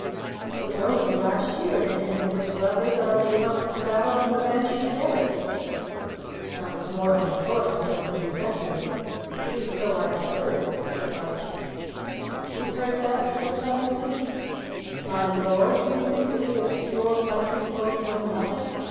"It was only last year," continued his brother, "that I gave up the saddle and the bench together." "That was more from choice than from necessity at least, so I have heard," said Archie. "You heard that, Mr. Flemington?" "My lord, do you think that we obscure country folk know nothing?